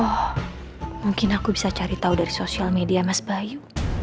oh mungkin aku bisa cari tahu dari sosial media mas bayu